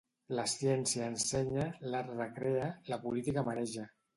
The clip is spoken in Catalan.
La ciència ensenya, l'art recrea, la política mareja.